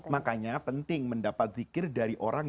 makanya penting mendapat zikir dari orang